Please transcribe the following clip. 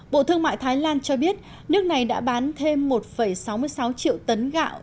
bộ thương mại thái lan cho biết nước này đã bán thêm một sáu mươi sáu triệu tấn gạo